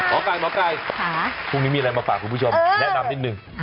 ไก่หมอไก่พรุ่งนี้มีอะไรมาฝากคุณผู้ชมแนะนำนิดนึง